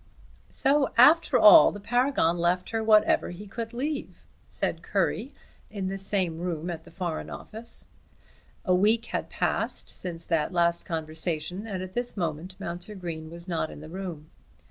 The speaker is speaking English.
"So after all the Paragon left her whatever he could leave," said Currie in the same room at the Foreign Office. A week had passed since the last conversation, and at this moment Mounser Green was not in the room.